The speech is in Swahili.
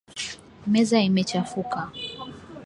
Meza imechafuka.